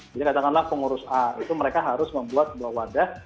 jadi katakanlah pengurus a itu mereka harus membuat sebuah wadah